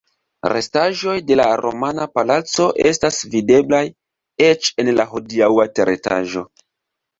Restaĵoj de la romana palaco estas videblaj eĉ en la hodiaŭa teretaĝo.